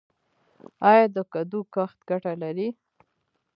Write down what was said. آیا د کدو کښت ګټه لري؟